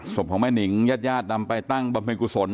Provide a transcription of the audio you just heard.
ศพของแม่นิงญาติญาตินำไปตั้งบำเพ็ญกุศล